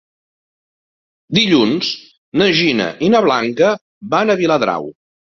Dilluns na Gina i na Blanca van a Viladrau.